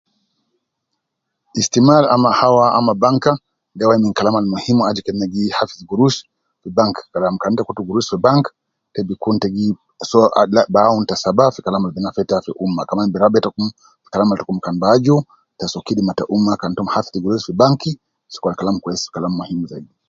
Istimal ama hawa ama banka, de wai min kalam al muhim, aju ke na gi hafiz gurus fi bank, kalam kan ta kutu gurus fi bank, te bi kun te gi soo ag la bi awun ta saba fi kalam al bi nafi ita fi umma, ma kaman bi rabi itakum, kalam al ta kum kan bi aju ta soo kidima ta umma, kan tom hafidh gurus fi bank, sokol al kalam kwesi, kalam muhim zaidi